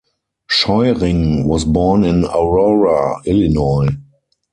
Scheuring was born in Aurora, Illinois.